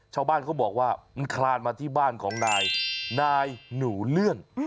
ชาวบ้านเขาบอกว่ามันคลานมาที่บ้านของนายนายหนูเลื่อน